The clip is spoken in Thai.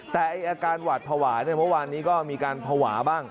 แต่อาการหวาดภาวะเมื่อวานนี้ก็มีการภาวะบ้าง